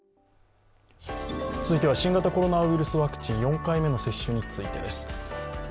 続いては新型コロナウイルスワクチン、４回目の接種についてです。